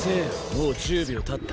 もう１０秒たった。